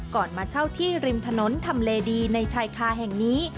มาเช่าที่ริมถนนทำเลดีในชายคาแห่งนี้